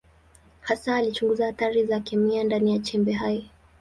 Hasa alichunguza athari za kikemia ndani ya chembe hai.